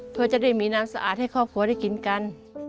เพื่อจะได้มีน้ำสะอาดให้ครอบครัวได้กินกัน